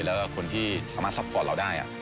แล้วคนที่สามารถซัพพอร์ตเราได้